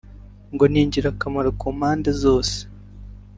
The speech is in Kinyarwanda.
ngo ni ingirakamaro ku mpande zoze